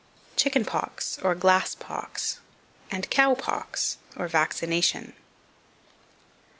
CHICKEN POX, OR GLASS POX; AND COW POX, OR VACCINATION. 2538.